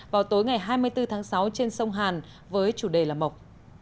vào tối ngày hai mươi bốn tháng sáu trên sông hàn với chủ đề là mộc